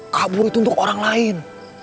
kabur itu untuk orang lain